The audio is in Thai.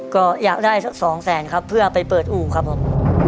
ก็อยากได้สักสองแสนครับเพื่อไปเปิดอู่ครับผม